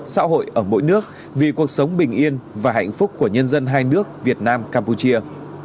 xã hội ở mỗi nước vì cuộc sống bình yên và hạnh phúc của nhân dân hai nước việt nam campuchia